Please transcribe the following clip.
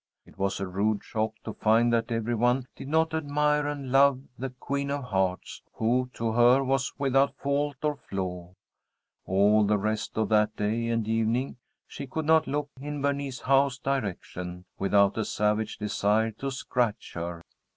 It was a rude shock to find that every one did not admire and love the "Queen of Hearts," who to her was without fault or flaw. All the rest of that day and evening, she could not look in Bernice Howe's direction, without a savage desire to scratch her.